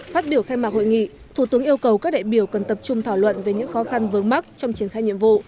phát biểu khai mạc hội nghị thủ tướng yêu cầu các đại biểu cần tập trung thảo luận về những khó khăn vướng mắt trong triển khai nhiệm vụ